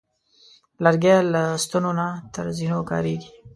لرګی له ستنو نه تر زینو کارېږي.